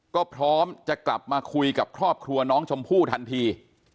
ก็พร้อมจะกลับมาคุยกับครอบครัวน้องชมพู่ทันที